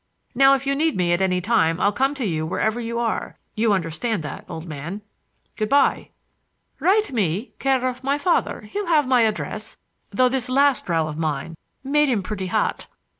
"Now if you need me at any time I'll come to you wherever you are. You understand that, old man. Good by." "Write me, care of my father—he'll have my address, though this last row of mine made him pretty hot."